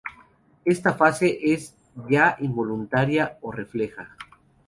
Esta fase es ya involuntaria o refleja.